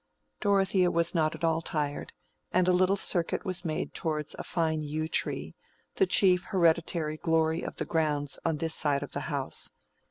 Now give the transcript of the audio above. Dorothea was not at all tired, and a little circuit was made towards a fine yew tree, the chief hereditary glory of the grounds on this side of the house.